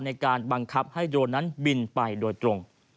ในการบังคับให้โดรนนั้นบินไปโดยตรง